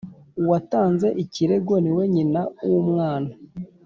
Uwatanze ikirego ni we nyina w’umwana